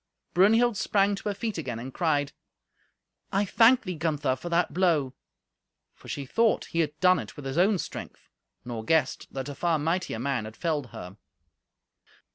Brunhild sprang to her feet again, and cried, "I thank thee, Gunther, for that blow." For she thought he had done it with his own strength, nor guessed that a far mightier man had felled her.